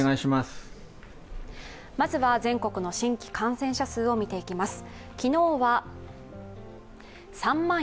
まずは、全国の新規感染者数を見ていきます。